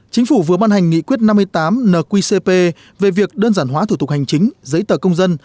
chính phủ vừa ban hành nghị quyết năm mươi tám nqcp về việc đơn giản hóa thủ tục hành chính giấy tờ công dân